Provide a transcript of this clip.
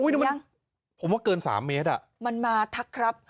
เห็นยังผมว่าเกิน๓เมตรอ่ะมันมาทักครับ